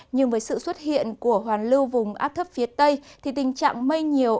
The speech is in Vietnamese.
nhưng với sự xuất hiện của hoàn lưu vùng áp thấp phía tây thì tình trạng mây nhiều